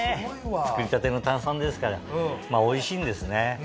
作りたての炭酸ですからおいしいんですね。